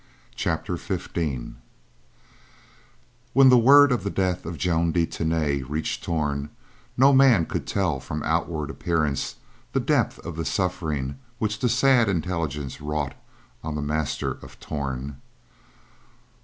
CHAPTER XV When word of the death of Joan de Tany reached Torn, no man could tell from outward appearance the depth of the suffering which the sad intelligence wrought on the master of Torn.